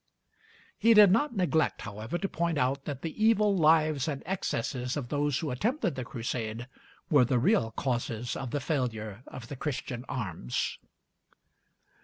He did not neglect, however, to point out that the evil lives and excesses of those who attempted the Crusade were the real causes of the failure of the Christian arms.